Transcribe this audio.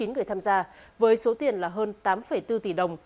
chín mươi chín người tham gia với số tiền là hơn tám bốn tỷ đồng